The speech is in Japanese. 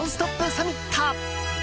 サミット。